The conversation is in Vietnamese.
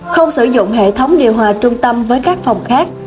không sử dụng hệ thống điều hòa trung tâm với các phòng khác